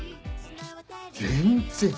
全然！